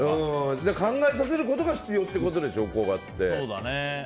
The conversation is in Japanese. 考えさせることが必要ということでしょ。